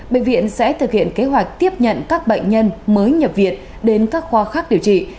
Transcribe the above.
bệnh viện sẽ thực hiện kế hoạch tiếp nhận các bệnh nhân mới nhập viện đến các khoa khác điều trị